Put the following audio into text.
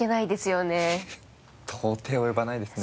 到底及ばないですね。